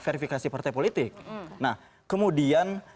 verifikasi partai politik nah kemudian